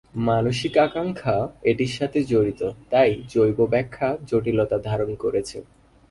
মানসিক আকাঙ্খা এটির সাথে জড়িত তাই জৈব ব্যাখা জটিলতা ধারণ করেছে।